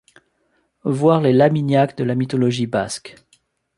Voir les lamiñak de la mythologie basque.